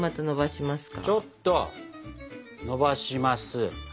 ちょっとのばします。